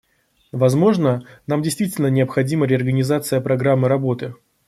Возможно, нам действительно необходима реорганизация программы работы.